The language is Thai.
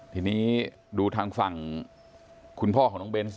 ทีนี้ดูทางฝั่งคุณพ่อของน้องเบนส์